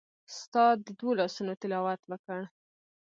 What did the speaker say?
ستا د دوو لاسونو تلاوت وکړ